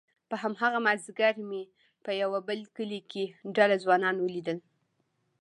په هماغه مازيګر مې په يوه بل کلي کې ډله ځوانان وليدل،